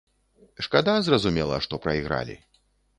Шкада, зразумела, што прайгралі.